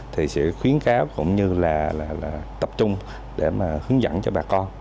thì sẽ khuyến cáo cũng như là tập trung để mà hướng dẫn cho bà con